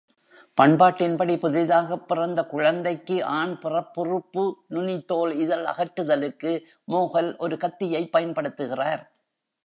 பண்பாட்டின்படி, புதிதாகப் பிறந்த குழந்தைக்கு ஆண் பிறப்புறுப்பு நுனித்தோல் இதழ் அகற்றுதலுக்கு “மோஹெல்” ஒரு கத்தியைப் பயன்படுத்துகிறார்.